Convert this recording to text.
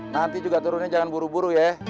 nanti juga turunnya jangan buru buru ya